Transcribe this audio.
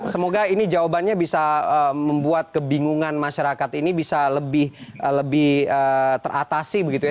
semoga ini jawabannya bisa membuat kebingungan masyarakat ini bisa lebih teratasi begitu ya